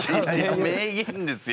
名言ですよ。